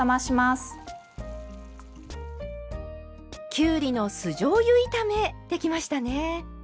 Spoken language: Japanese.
きゅうりの酢じょうゆ炒めできましたね。